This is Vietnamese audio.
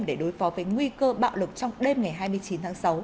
để đối phó với nguy cơ bạo lực trong đêm ngày hai mươi chín tháng sáu